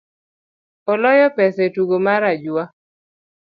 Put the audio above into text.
Aloyo pesa etugo mare ajua.